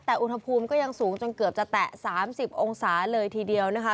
แต่อุณหภูมิก็ยังสูงจนเกือบจะแตะ๓๐องศาเลยทีเดียวนะคะ